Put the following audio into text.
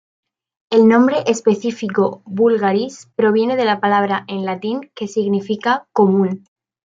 El nombre específico "vulgaris" proviene de la palabra en latín que significa 'común'.